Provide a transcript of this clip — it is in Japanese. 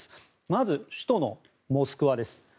まず、首都のモスクワです。